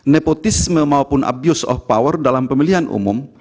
nepotisme maupun abuse of power dalam pemilihan umum